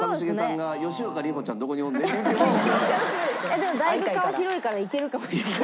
でもだいぶ顔広いからいけるかもしれない。